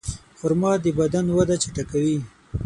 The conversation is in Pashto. خرما د بدن وده چټکوي.